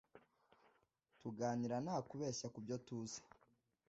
tuganira nta kubeshya kubyo tuzi